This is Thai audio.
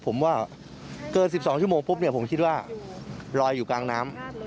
ผมว่าเกิน๑๒ชั่วโมงปุ๊บเนี่ยผมคิดว่าลอยอยู่กลางน้ำ